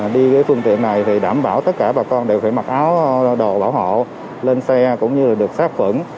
đi cái phương tiện này thì đảm bảo tất cả bà con đều phải mặc áo đồ bảo hộ lên xe cũng như được sát khuẩn